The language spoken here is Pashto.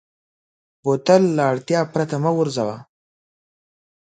بوتل له اړتیا پرته مه غورځوه.